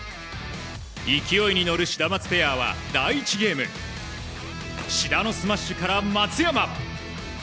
勢いに乗るシダマツペアは第１ゲーム志田のスマッシュから松山！